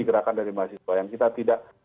gerakan dari mahasiswa yang kita tidak